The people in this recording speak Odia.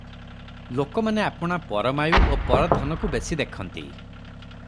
ଲୋକମାନେ ଆପଣା ପରମାୟୁ ଓ ପରଧନକୁ ବେଶି ଦେଖନ୍ତି ।